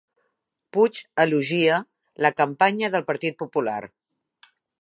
Puig elogia la campanya del Partit Popular